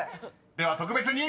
［では特別に］